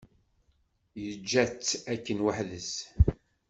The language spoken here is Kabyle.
Yeǧǧa-tt akken weḥd-s.